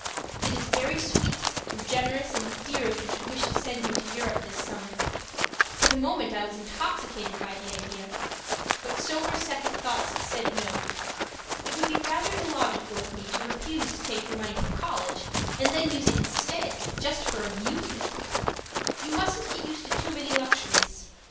It is very sweet and generous and dear of you to wish to send me to Europe this summer for the moment I was intoxicated by the idea; but sober second thoughts said no. It would be rather illogical of me to refuse to take your money for college, and then use it instead just for amusement! You mustn't get me used to too many luxuries.